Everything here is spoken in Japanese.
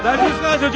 所長。